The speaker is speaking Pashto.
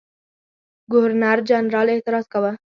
ګورنرجنرال اعتراض کاوه.